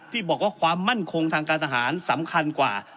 ที่บอกว่าความมั่นคงทางการทหารสำคัญกว่า